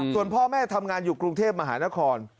ส่วนพ่อแม่ทำงานอยู่กรุงเทพมหานคร